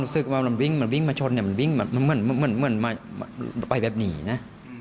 คุณผู้ชมค่ะคืนนี้เป็นงานสวพระอภิษฐรรมศพครูนงเป็นคืนที่สองค่ะ